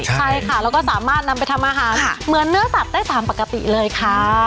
ใช่ค่ะแล้วก็สามารถนำไปทำอาหารเหมือนเนื้อสัตว์ได้ตามปกติเลยค่ะ